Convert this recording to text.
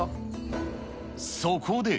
そこで。